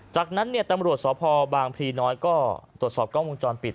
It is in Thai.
จากนั้นตำรวจสพบางพลีน้อยก็ตรวจสอบกล้องวงจรปิด